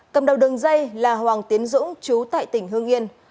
cầm đầu đường dây là hoàng tiến dũng chú tại tỉnh hương yên